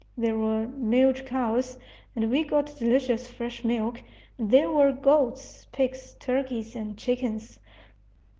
There were milch cows, and we got delicious fresh milk; and there were goats, pigs, turkeys, and chickens.